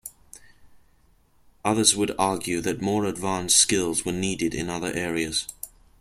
Others would argue that more advanced skills were needed in other areas.